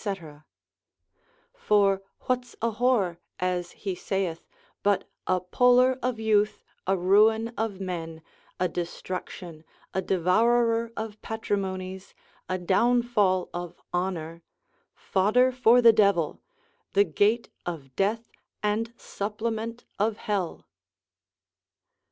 For what's a whore, as he saith, but a poller of youth, a ruin of men, a destruction, a devourer of patrimonies, a downfall of honour, fodder for the devil, the gate of death, and supplement of hell?